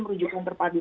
merujuk yang terpadu